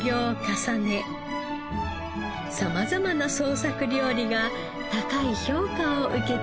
様々な創作料理が高い評価を受けています。